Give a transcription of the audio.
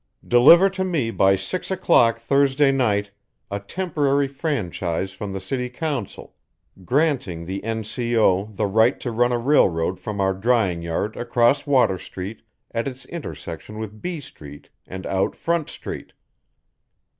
"Deliver to me by six o'clock Thursday night a temporary franchise from the city council, granting the N. C. O. the right to run a railroad from our drying yard across Water Street at its intersection with B Street and out Front Street."